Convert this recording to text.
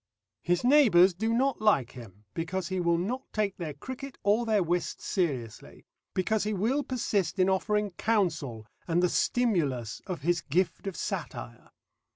His neighbours do not like him, because he will not take their cricket or their whist seriously, because he will persist in offering counsel and the stimulus of his gift of satire.